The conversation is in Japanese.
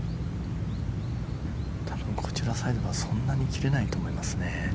多分こちらサイドはそんなに切れないと思いますね。